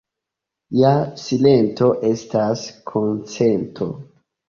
Ja silento estas konsento.